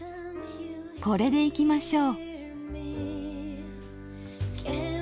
これでいきましょう。